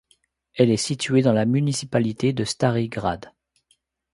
Elle est située dans la municipalité de Stari grad.